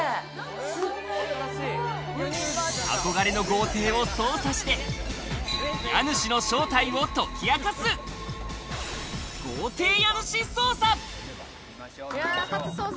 憧れの豪邸を捜査して家主の正体を解き明かす、豪邸家主捜査！